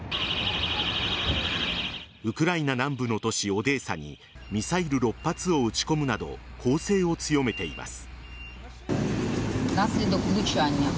ウクライナ南部の都市オデーサにミサイル６発を撃ち込むなど攻勢を強めています。